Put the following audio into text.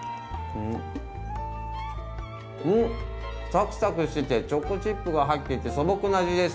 サクサクしててチョコチップが入っていて素朴な味です。